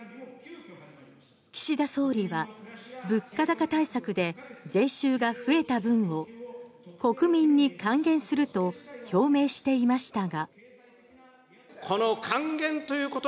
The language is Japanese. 岸田総理は物価高対策で税収が増えた分を国民に還元すると表明していましたが。